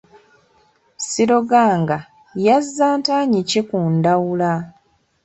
Siroganga yazza ntanyi ki ku Ndawula?